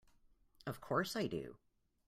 Of course I do!